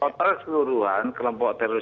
total seluruhan kelompok teroris